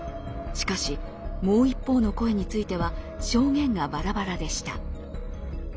しかしもう一方の声については証言がバラバラでした。